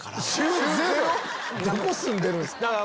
どこ住んでるんすか？